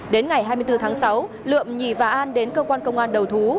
đến ngày hai mươi bốn tháng sáu lượm nhì và an đến cơ quan công an đầu thú